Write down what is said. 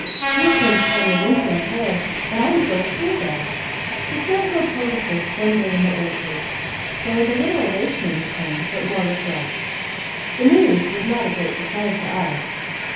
He is going to spend the winter in Paris, and I am to go to school there." The Story Girl told us this one day in the orchard. There was a little elation in her tone, but more regret. The news was not a great surprise to us.